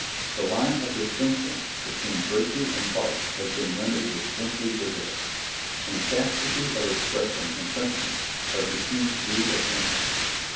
The line of distinction between virtue and vice has been rendered distinctly visible; and chastity of expression and sentiment have received due attention.